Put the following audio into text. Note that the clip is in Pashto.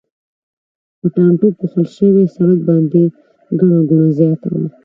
په ټانټو پوښل شوي سړک باندې ګڼه ګوڼه زیاته وه.